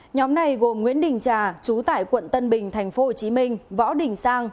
nhóm này gồm nguyễn đình trà chú tại quận tân bình tp hcm võ đình sang